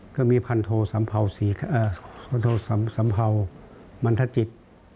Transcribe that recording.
ก็มีพันโทสำเภามันทจิต